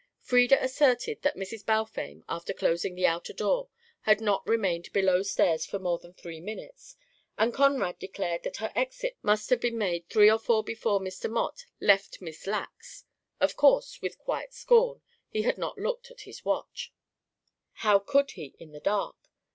Frieda asserted that Mrs. Balfame, after closing the outer door, had not remained below stairs for more than three minutes, and Conrad declared that her exit must have been made three or four before Mr. Mott left Miss Lacke's. Of course with quiet scorn he had not looked at his watch. How could he in the dark?